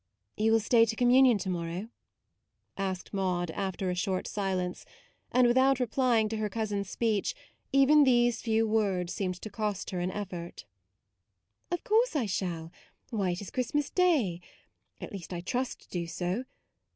" u You will stay to Communion to morrow? " asked Maude after a short silence, and without replying to her cousin's speech; even these few words seemed to cost her an effort. "Of course I shall: why, it is Christmas day: at least I trust to do so.